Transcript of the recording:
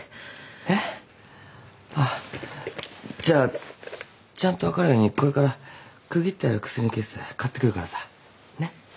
えっ？あっじゃあちゃんと分かるようにこれから区切ってある薬のケース買ってくるからさねっ。